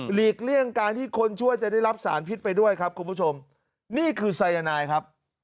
เลี่ยงการที่คนช่วยจะได้รับสารพิษไปด้วยครับคุณผู้ชมนี่คือสายนายครับ